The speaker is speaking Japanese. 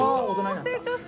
成長した！